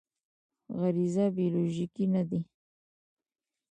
غریزه بیولوژیکي نه دی.